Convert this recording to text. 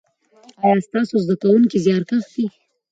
ایا ستاسو زده کونکي زیارکښ دي؟